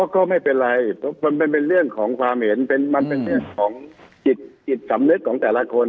ก็ไม่เป็นไรมันเป็นเรื่องของความเห็นมันเป็นเรื่องของจิตสำนึกของแต่ละคน